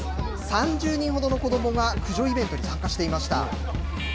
３０人ほどの子どもが駆除イベントに参加していました。